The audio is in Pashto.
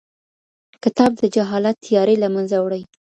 کتاب د جهالت تيارې له منځه وړي.